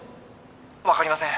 分かりません。